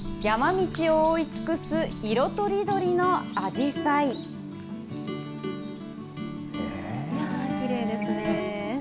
山道を覆い尽くす色とりどりのあきれいですね。